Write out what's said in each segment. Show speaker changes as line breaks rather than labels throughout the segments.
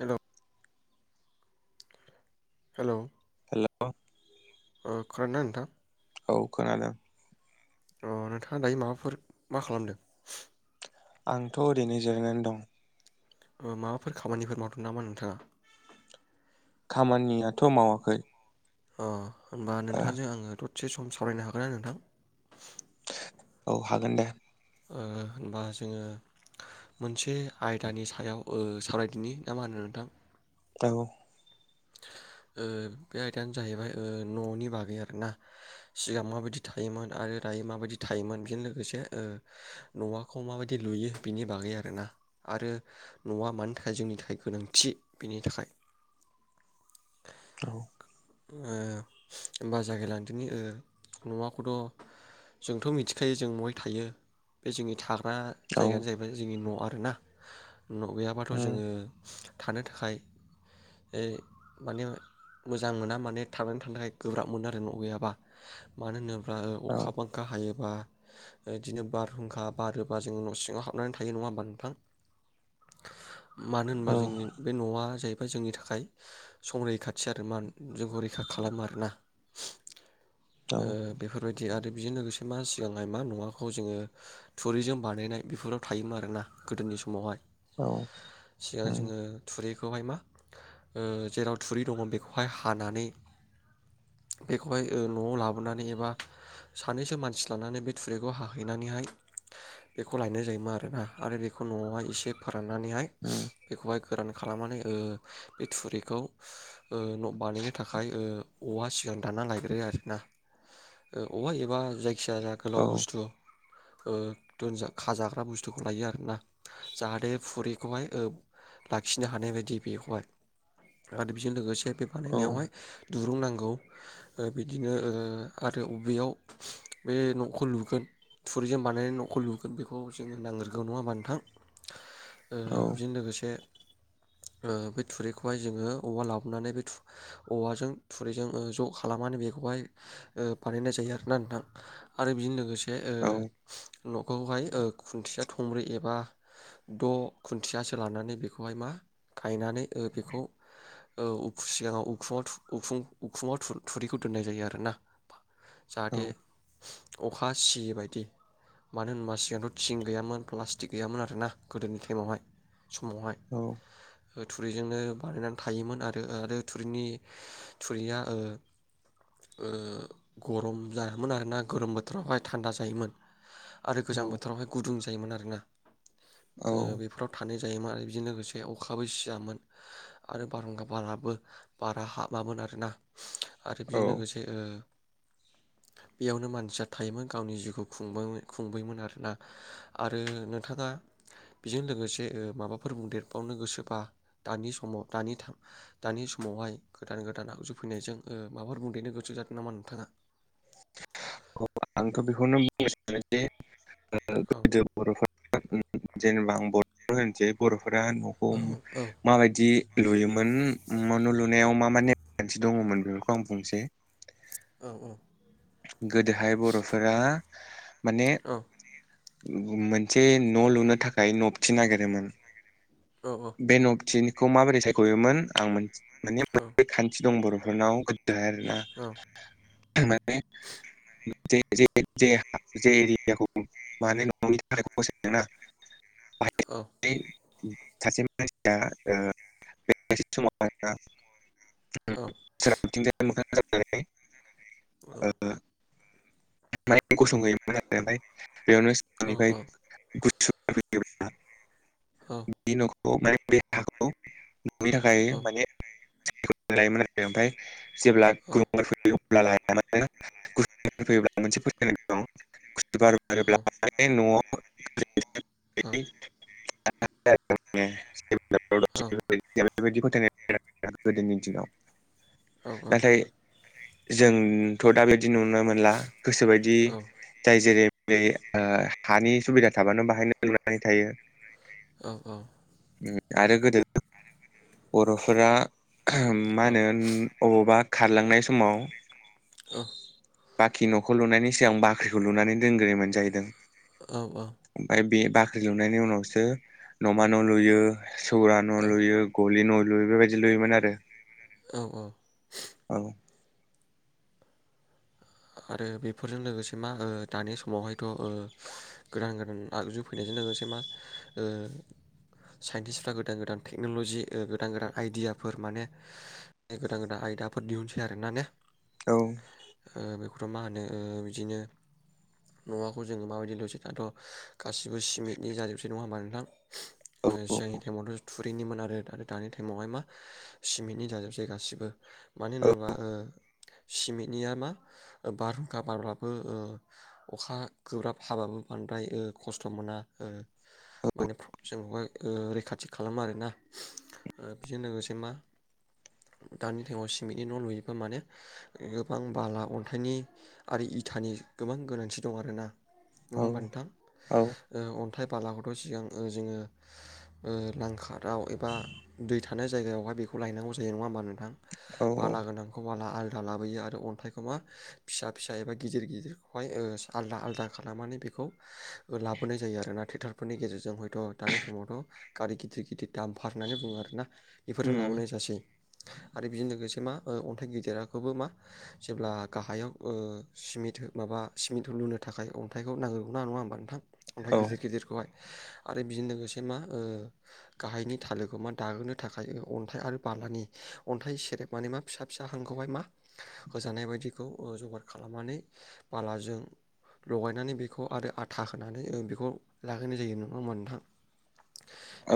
Hello hello
hello
ओ खोनादोंना नोंथां।
औ खोनादों
अ नोंथाङा दायो माबाफोर मा खालामदों।
आंथ ओरैनो जिरायनानै दं।
ओ माबाफोर खामानिफोर मावदों नामा नोंथाङा।
खामानियाथ मावाखै।
[inaudible] होमबा
ओ
नोंथांजों आङो द से सम सावरायनो हागोनना नोंथां।
औ हागोन दे।
ओ होनबा जोङो मोनसे आयदानि सायाव ओ सावरायदिनि ना मा होनो नोंथां
जागौ
ओ बे आयदायानो जाहैबाय ननि बागै आरोना सिगां माबायदि थायोमोन आरो दायो माबायदि थायोमोन बेजों लोगोसे नआखौ माबायदि लुयो बिनि बागै आरोना आरो नआ मानो थाखाय जोंनि थाखाय गोनांथि बिनि थाखाय।
औ
होमबा जागायलांदोंनि नआखौथ जोंथ मिथिखायो जों नहाय थायो बे जोंनि थार बा
औ
जायगायानो जाहैबाय जोंनि नआव ना न गैयाबाथ
उम
जोङो। थानो थाखाय। माने मोजां मोना माने थांनानै थानो थाखाय गोब्राब मोनो आरो न गैयाबा मानो होनो ओ
औ
अखा बांखा हायो। बा बिदिनो बारहुंखा बारोबा जों न' सिङाव हाबनानै थायो नङा होमबा नोंथां। मानो होनबा
औ
जोंनि बे नआ जाहैबाय। जोंनि थाखाय। थाखाय सम रैखाथि आरो मा जोंखौ रैखा खालामो आरोना।
औ
ओ बेफोरबायदि आरो। बेजों लोगोसे मा सिगांहाय मा नखौ जोङो थुरिजों बानायनाय बेफोराव थायोमोन आरोना गोदोनि समावहाय
औ
सिगां
उम
जोङो थुरि खौहाय मा जेराव थुरि दङ बेखौहाय हानानै बेखौहाय न'आव लाबोनानै एबा सानैसो मानसि लानानै बे थुरिखौ हाहैनानैहाय बेखौ लायनाय जायोमोन आरोना आरो बेखौ न'आवहाय एसे राननानैहाय
उम
बेखौहाय गोरान खालामनानै बे थुरिखौ न' बानायनो थाखाय औवा सिगां दानना लायग्रोयो आरोना औवा एबा जायखिजाया
औ
गोलाव बुस्थु खाजाग्रा बुस्थुखौ लायो आरोना जाहाथे थुरिखौहाय लाखिनो हानाय बायदि बेखौहाय आरो बेजों लोगोसे जे बे
औ
बानायनायावहाय दुरुं नांगौ बिदिनो आरो बबेयाव बे न'खौ लुगोन थुरिजों बानायनाय न'खौ लुगोन बेखौ जोङो [inaudible] नङा होनबा नोंथां
औ
बेजों लोगोसे बे थुरिखौहाय जोङो औवा लाबोनानै बे औवाजों थुरिजों ज' खालामनानै बेखौहाय बानायनाय जायो आरोना नोंथां आरो बेजों लोगोसे
औ
बे न'खौहाय खुन्थिया थंब्रै एबा द' खुन्थियासो लानानै बेखौहाय मा गायनानै बेखौ सिगाङाव उखुम उखुमाव थुरिखौ दोननाय जायो आरोना। जाहाथे अखा सियै बायदि मानो होनबा सिगांथ' थिं गैयामोन प्लास्टिक गैयामोन आरोना गोदोनि टाइमावहाय समावहाय थुरिजोंनो बानायनानै थायोमोन आरो आरो थुरिनि थुरिया गरम जायामोन आरोना गरम बोथोरावहाय थान्दा जायोमोन। आरो गोजां
औ
बोथोरावहाय गुदुं जायो। जायोमोन आरोना।
औ
बेफोराव थानाय जायोमोन आरो बिजों लोगोसे बे अखाबो सियामोन आरो बारहुंखा बारबाबो बारा हाबामोन आरोना। आरो
औ
बेजों लोगोसे बेयावनो मानसिया थायोमोन गावनि जिउखौ खुंबोयोमोन आरोना आरो नोंथाङा बेजों लोगोसे माबाफोर बुंदेर बावनो गोसोबा दानि समाव दानि दानि समावहाय गोदान गोदान आगजुफैनायजों माबाफोर बुंदेरनो गोसो जादों नामा नोंथाङा
अ आंथ' बेखौनो बुंनो सानोदि
औ
गोदो बर'फोरा जेनेबा बर' [inaudible] बर' बर'फोरा न'खौ
औ
माबायदि लुयोमोन न लुनायाव मा मा नेमखान्थि दङमोन बेफोरखौ आं बुंसै।
औ औ।
गोदोहाय बर'फोरा। माने।
औ
मोनसे न' लुनो थाखाय नबथिनो ना गिरोमोन।
औ
बेेनबथि। बेखौ माबोरै सायख'योमोन आं। माने
औ
मोनसे खान्थि दं बर'। बे नाव। दा आरो ना [inaudible] [unintelligible] [unintelligible] सासे मानसिया ओ बे समाव।
औ
[unintelligible] [unintelligible]
औ।
गसंहोयोमोन [unintelligible] [unintelligible]
औ
बिदि नख [unintelligible] बिनि
औ
थाखाय माने। [unintelligible] जेब्ला गर फैयो अब्ला। [unintelligible] [unintelligible] [unintelligible] [unintelligible] [unintelligible] बेबायदि फोथायनाय गोदोनि दिनाव। नाथाय। जोंथ' दा बि। दि नुनो मोनला। गोसोबायदि जाय जेरै बे ओ हानि सुबिदा थाबानो बाहायनो लुनानै थायो।
औ औ।
ओ आरो गोदो बर'फोरा मा होनो, अबावबा खारलांनाय समाव
अह।
बाखि न'खौ लुनायनि सिगां बाख्रिखौ लुनानै दोनग्रोयोमोन‌ जाहैदों।
औ औ।
ओमफाय बे बाख्रि लुनायनि उनावसो न'मा न' लुयो, सौरा न' लुयो, गलि न' लुयो। बेबायदि लुयोमोन आरो।
औ औ।
औ।
आरो बेफोरजों लोगोसे मा ओ दानि समावहायथ' ओ गोदान गोदान आगजु फैनायजों लोगोसे मा ओ साइन्टिसफ्रा गोदान गोदान टेक्न'ल'जि ओ गोदान गोदान आइदियाफोर माने गोदान गोदान आयदाफोर दिहुनसै आरोना ने।
औ।
ओ बेखौथ' मा होनो ओ बिदिनो न'आखौ जोङो माबादि लुसै दाथ' गासिबो सिमिटनि जाजोबसै नङा होमबा नोंथां? ओ सिगांनि टाइमावथ' थुरैनिमोन आरो आरो दानि टाइमावहाय मा सिमिटनि जाजोबसै गासिबो। मानो होनोबा ओ सिमिदनिया मा? बारहुंखा बारब्लाबो ओ अखा गोब्राब हाबाबो बांद्राय ओ खस्थ' मोना ओ माने जों अहाय ओ रैखाथि खालामो आरोना। ओ बिजों लोगोसे मा दानि टाइमाव सिमिटनि न' लुयोबा माने गोबां बाला अन्थाइनि आरो इथानि गोबां गोनांथि दं आरोना। नङा
औ
होमबा नोंथां?
औ
ओ अ थाइ बालाखौथ' सिगां ओ जोङो ओ लांखाराव एबा दै थानाय जायगायावहाय बेखौ लायनांगौ जायो, नङा होमबा नोंथां?
औ
बाला गोनांखौ बाला आल दा लाबोयो आरो अन्थाइखौ मा फिसा फिसा एबा गिदिर गिदिरखौहाय ओ आलदा आलदा खालामनानै बेखौ लाबोनाय जायो आरोना। ट्रेक्टरफोरनि गेजेरजों हयथ' दानि टाइमावथ' गारि गिदिर गिदिद दामफार होननानै बुङो आरोना इफोरजों
उम
लाबोनाय जासै। आरो बेजों लोगोसे मा ओ अन्थाइ गेदेराखोबो मा जेब्ला गाहायाव ओ सिमिट हो माबा सिमेन्ट लुनो थाखाय अन्थाइखौ नांगोरगौना, नङा होमबा नोंथां? ओमफाय
औ
गिदिर गिदिरखौहाय आरो बिजों लोगोसे मा ओ गाहायनि थालोखौ मा दाहोनो थाखाय अन्थाइ आरो बालानि अन्थाइ सेरेब माने मा फिसा फिसा हांखौहाय मा, होजानाय बादिखौ ओ जगार खालामनानै बालाजों लगायनानै बेखौ आरो आथा होनानै बेखौ लागानाय जायो, नङा होमबा नोंथां?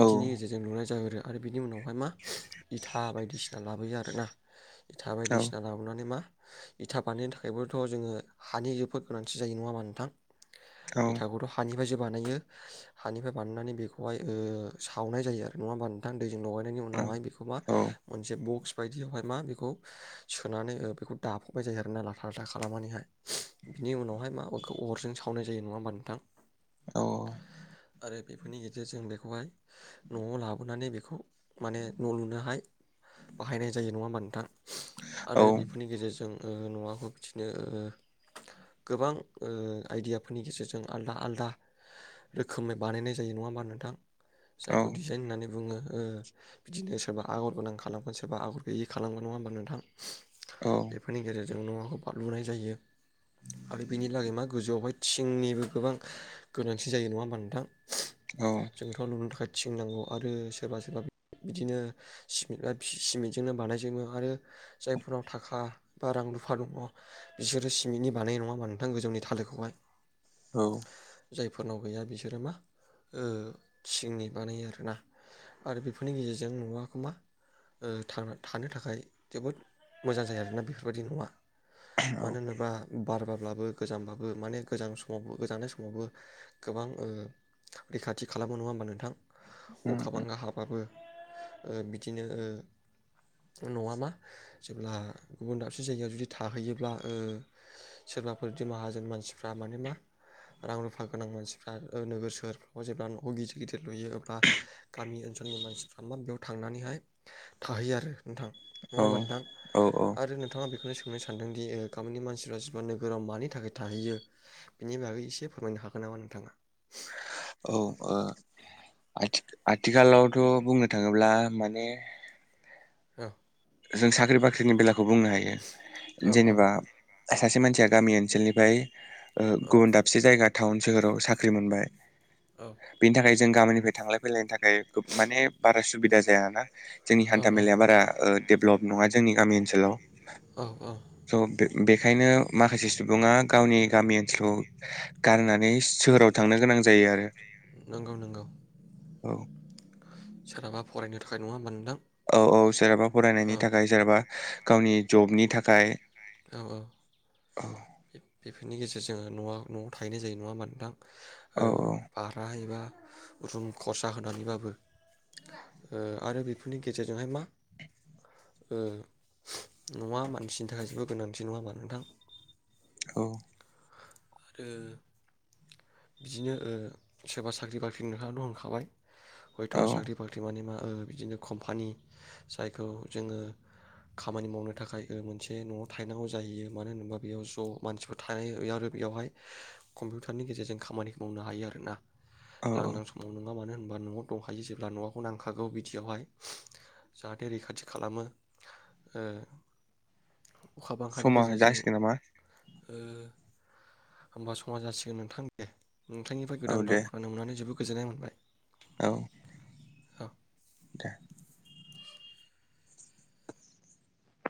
औ
गेजेरजों लुनाय जायो आरो। आरो बिनि उनाव फाय मा इथा बायदिसिना लाब बोयो आरोना। इथा
औ
बायदिसिना लाबोनानै मा इथा बानायनो थाखायबोथ' जोङो हानि जोबोद गोनांथि जायो नङा मा नोंथां?
औ
इथाखौथ' हानिफाय जोब बानायो, हानिफाय बानायनानै बेखौहाय ओ सावनाय जायो नङा होमबा नोंथां दै लगायनायनि
औ
उनावहाय बेखौ मा,
औ
मोनसे बक्स बायदियावहाय मा बेखौ सोनानै ओ बेखौ दाफबनाय जायो आरोना लाथा लाथा खालामनानैहाय। बिनि उनावहाय माबाखौ अरजों सावनाय जायो नङा होमबा नोंथां?
अह।
आरो बेफोरनि गेजेरजों बेखौहाय न'आव लाबोनानै बेखौ माने न' लुनोहाय बाहायनाय जायो नङा होमबा नोंथां? आरो बेफोरनि गेजेरजों जों ओ न'आखौ बिदिनो गोबां ओ आइदियाफोरनि गेजेरजों आलदा आलदा रोखोमै बानायनाय जायो नङा होमबा नोंथां?
औ
जायखौ डिजाइन होननानै बुङो। ओ बिदिनो सोरबा आगर गोनां खालामगोन सोरबा आगर गैयि खालामगोन नङा होमबा नोंथां? बेफोरनि गेजेर जों न'आखौ बा लुनाय जायो आरो बिनि लागै मा गोजौआवहाय थिंनिबो गोबां गोनांथि जायो नङा होमबा नोंथां?
औ
जोंथ' लुनो थाखाय थिं नांगौ आरो सोरबा सोरबा बिदिनो सिमेटा सिमेन्टजोंनो बानायजोबो आरो जायफोरनाव थाखा बा रां रुफा दङ बिसोरो सिमेन्टनि बानायो नङा होमबा नोंथां गोजौनि थालोखौहाय?
औ।
जायफोरनाव गैया बिसोरो मा ओ थिंनि बानायो आरोना आरो बेफोरनि गेजेरजों न'आखौ मा ओ थां थानो थाखाय जोबोद मोजां जायो आरोना बेफोर बादि न'आ। मानो होनोबा बार बारब्लाबो गोजांब्लाबो माने गोजां समावबो गोजांनाय समावबो गोबां ओ रैखाथि खालामो नङा होमबा नोंथां?
उम
अखा
उम
बांखा हाबाबो ओ बिदिनो ओ न'आ मा जेब्ला गुबुन दाबसे जायगायाव जुदि थाहैयोब्ला ओ सोरबाफोर दि माहाजोन मानसिफ्रा माने मा रां रुफा गोनां मानसिफ्रा नोगोर सोहोरफ्राव जेब्ला न' गिदिर गिदिर लुयो अब्ला गामि ओनसोलनि मानसिफ्रा मा बेयाव थांनानैहाय थाहैयो आरो नोंथां। नङा
औ
होमबा नोंथां
औ औ।
आरो नोंथाङा बेखौनो सोंनो सानदोंदि ओ गामिनि मानसिफ्रा जेनबा नोगोराव मानि थाखाय थाहैयो बेनि बागै एसे फोरमायनो हागोन नामा नोंथाङा?
औ ओ आथि-आथिखालावथ' बुंनो थाङोब्ला माने
औ।
जों साख्रि बाख्रिनि बेलाखौ बुंनो हायो
औ औ
जेनेबा सासे मानसिया गामि ओनसोलनिफाय ओ
औ
गुबुन दाबसे जायगा टाउन सोहोराव साख्रि मोनबाय
औ
बेनि थाखाय जों गामिनिफ्राय थांलाय फैलायनि थाखाय माने बारा सुबिदा जाया ना। जोंनि हान्था मेलाया बारा भ्लब नङा जोंनि गामि ओनसोलाव
औ औ।
स' बेखायनो माखासे सुबुङा गावनि गामि ओनसोलखौ गारनानै सोहोराव थांनो गोनां जायो आरो।
नोंगौ नोंगौ।
औ
सोरहाबा फरायनो थाखाय नङा होमबा नोंथां।
औ औ सोरबा फ
औ
फरायनायनि थाखाय जेनेबा। गावनि जबनि थाखाय
औ औ
औ
बेफोरनि गेजेर जोङो नवा नआव थाहैनाय जायो नङा ओमबा नोंथां। ओ‌
औ
भारा एबा रुम खरसा होनानैबाबो ओ आरो बेफोरनि गेजेरजोंहाय मा ओ नवा मानसिनि थाखाय जेबो गोनांथि नङा होमा नोंथां।
औ।
आरो बिदिनो ओ सोरबा साख्रि बाख्रिनि [unintelligible] हयथ
औ
साख्रि बाख्रि मोने मा ओ बिदिनो कम्पानि जायखौ जोङो खामानि मावनो थाखाय ओ मोनसे नआव थाहैनांगौ जाहैयो मानो होनोबा बेयाव ज मानसिफोर जेनेबा बेवहाय कम्पिउटारनि गेजेरजों खामानिखौ मावनो हायो आरोना।
औ
लांदां समाव नङा मानो होनबा। होमबा नआव दंखायो जेब्ला नखौ नांखागौ बिदियावहाय जाहाथे रैखाथि खालामो ओ अखा बांखानि
समा
गेजेरजों
जासिगोन नामा?
ओ होमबा समा जासिगोन नोंथां दे। नोंथांनिफाय
औ
गोदान
दे
राव खोनानो मोननानै जोबोद गोजोननाय मोनबाय।
औ।
औ।
दे।